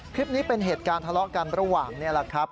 คลิปนี้เป็นเหตุการณ์ทะเลาะกันระหว่างนี่แหละครับ